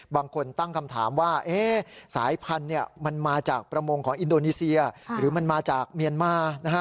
บางคนตั้งคำถามว่าสายพันธุ์มันมาจากประมงของอินโดนีเซียหรือมันมาจากเมียนมา